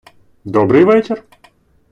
Добрий вечір!